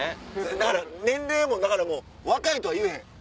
だから年齢もだからもう若いとは言えへん。